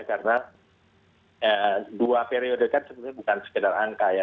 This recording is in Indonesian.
karena dua periode kan sebenarnya bukan sekedar angka ya